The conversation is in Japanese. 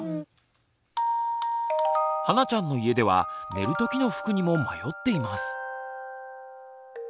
はなちゃんの家では寝る時の服にも迷っています。